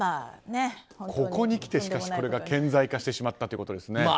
ここにきて、これが顕在化してしまったということですね。